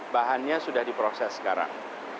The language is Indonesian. bahannya sudah diproses sekarang